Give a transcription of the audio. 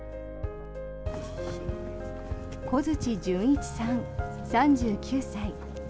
小鎚潤一さん、３９歳。